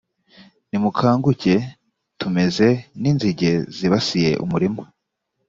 nimukanguke tumeze n’ inzige zibasiye umurima